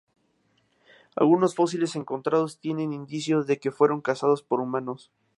Algunos fósiles encontrados tienen indicios de que fueron cazados por humanos.